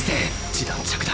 次弾着弾。